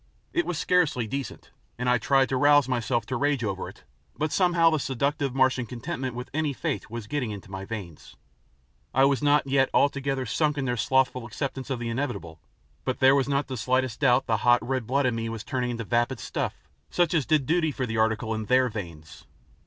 It was scarcely decent, and I tried to rouse myself to rage over it, but somehow the seductive Martian contentment with any fate was getting into my veins. I was not yet altogether sunk in their slothful acceptance of the inevitable, but there was not the slightest doubt the hot red blood in me was turning to vapid stuff such as did duty for the article in their veins.